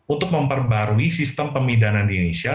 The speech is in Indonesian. untuk memperbarui sistem pemidana di indonesia